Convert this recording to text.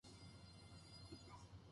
びっくりしたよー